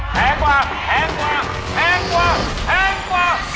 แพงกว่าแพงกว่า